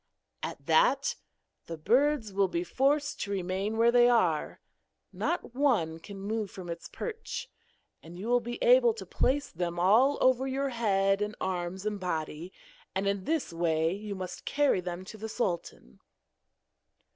At that the birds will be forced to remain where they are not one can move from its perch; and you will be able to place them all over your head and arms and body, and in this way you must carry them to the sultan.'